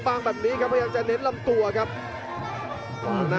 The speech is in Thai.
ชัมเปียร์ชาเลน์